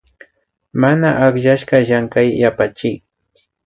Mana akllashka Llankay yapachik